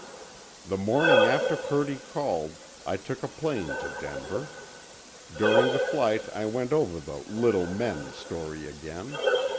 The morning after Purdy called, I took a plane to Denver. During the flight I went over the "little men" story again.